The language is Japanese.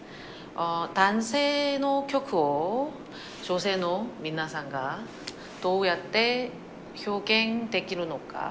男性の曲を女性の皆さんが、どうやって表現できるのか。